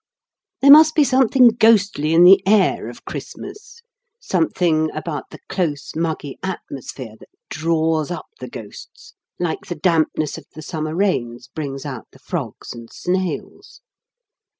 There must be something ghostly in the air of Christmas something about the close, muggy atmosphere that draws up the ghosts, like the dampness of the summer rains brings out the frogs and snails.